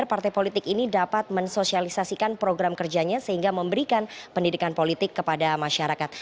partai politik ini dapat mensosialisasikan program kerjanya sehingga memberikan pendidikan politik kepada masyarakat